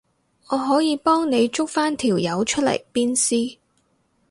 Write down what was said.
我可以幫你捉返條友出嚟鞭屍